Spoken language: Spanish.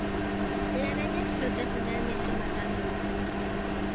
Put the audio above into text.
La araña explota, finalmente matándola.